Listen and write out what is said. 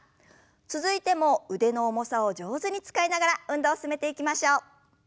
続いても腕の重さを上手に使いながら運動を進めていきましょう。